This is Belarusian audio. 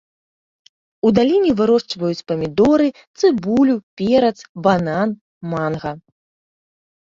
У даліне вырошчваюць памідоры, цыбулю, перац, банан, манга.